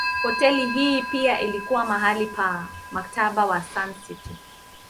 Hoteli hii pia ilikuwa mahali pa Mkataba wa Sun City.